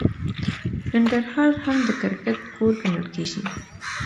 ننګرهار هم د کرکټ کور ګڼل کیږي.